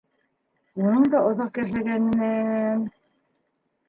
Уның да оҙаҡ йәшәгәненән...